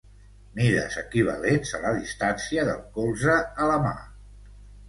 Mides equivalents a la distància del colze a la mà.